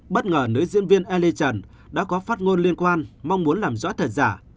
bất ngờ nữ diễn viên ele trần đã có phát ngôn liên quan mong muốn làm rõ thật giả